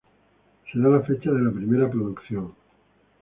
Se da la fecha de la primera producción.